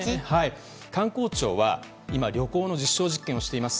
官公庁は、今、旅行の実証実験をしています。